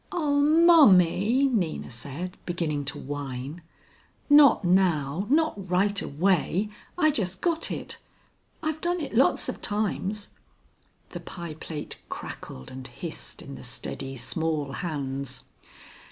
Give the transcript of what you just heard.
"Oh Mommy," Nina said, beginning to whine. "Not now. Not right away. I just got it. I've done it lots of times." The pie plate crackled and hissed in the steady, small hands.